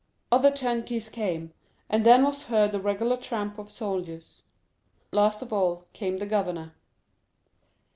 Other turnkeys came, and then was heard the regular tramp of soldiers. Last of all came the governor.